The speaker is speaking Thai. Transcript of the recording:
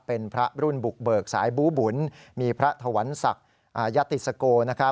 เป็นพระรุ่นบุกเบิกสายบูบุญมีพระถวันศักดิ์ยติสโก